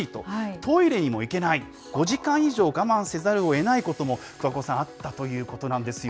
トイレにも行けない、５時間以上我慢せざるをえないことも桑子さん、あったということなんですよ